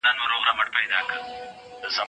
ځینې ژوي داخلي دفاعي میکانیزم لري.